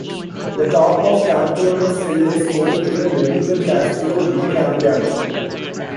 The top of Compiano's hill is home to the medieval Castello di Compiano.